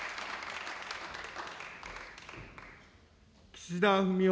岸田文雄